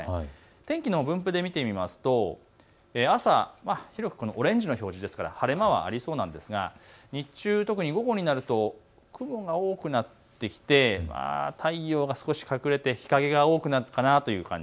天気の分布で見てみますと朝広くオレンジの表示ですから晴れ間はありそうなんですが日中、午後になると雲が多くなってきて太陽が少し隠れて日陰が多くなるかなという感じ。